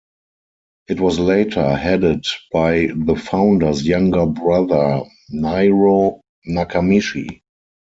It was later headed by the founder's younger brother Niro Nakamichi.